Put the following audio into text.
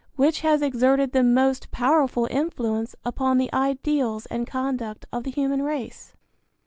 Which has exerted the most powerful influence upon the ideals and conduct of the human race?